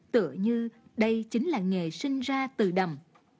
tự như đây chính là nghề sinh ra từ đầm